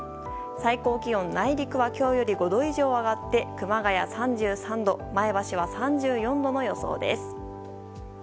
最高気温、内陸は今日より５度以上上がって熊谷、３３度前橋は３４度の予想です。